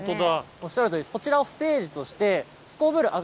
おっしゃるとおりです。